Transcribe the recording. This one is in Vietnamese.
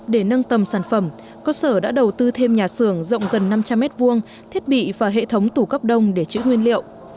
để nâng tầm sản phẩm cơ sở đã đầu tư thêm nhà xưởng rộng gần năm trăm linh m hai thiết bị và hệ thống tủ cấp đông để chữ nguyên liệu